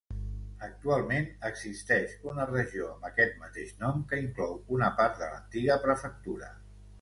Actualment existeix una regió amb aquest mateix nom, que inclou una part de l'antiga prefectura.